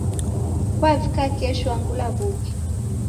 Kuavika kesho angu law'uke?